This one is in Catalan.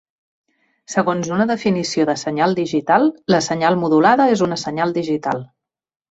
Segons una definició de senyal digital, la senyal modulada és una senyal digital.